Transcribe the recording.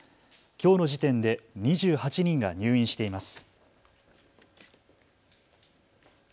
きょうの時点で２８人が入院しています。